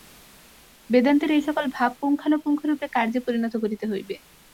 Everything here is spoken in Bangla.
বেদান্তের এই-সকল ভাব পুঙ্খানুপুঙ্খরূপে কার্যে পরিণত করিতে হইবে।